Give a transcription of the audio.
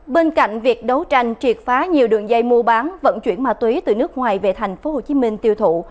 bên cạnh việc đấu tranh triệt phá nhiều đường dây mua bán vận chuyển ma túy từ nước ngoài về tp hcm tiêu thụ